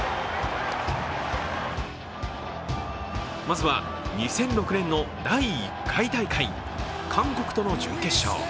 まずは、２００６年の第１回大会、韓国との準決勝。